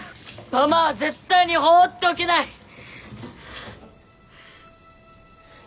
ママは絶対に放っておけない。